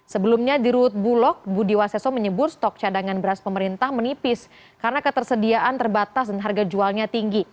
sebelumnya di rut bulog budi waseso menyebut stok cadangan beras pemerintah menipis karena ketersediaan terbatas dan harga jualnya tinggi